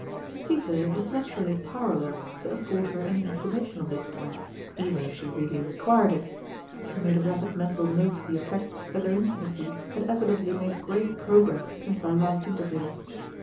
Peter was naturally powerless to afford her any information on this point, even if she really required it; he made a rapid mental note to the effect that their intimacy had evi dently made great progress since their last in terview.